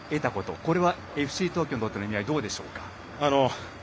これはＦＣ東京にとっての意味合い、どうでしょうか。